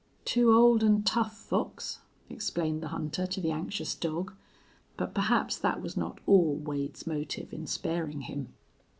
"Too old an' tough, Fox," explained the hunter to the anxious dog. But perhaps that was not all Wade's motive in sparing him.